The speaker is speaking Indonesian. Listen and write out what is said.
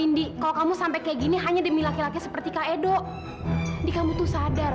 indi kalau kamu sampai kayak gini hanya demi laki laki seperti kak edo ini kamu tuh sadar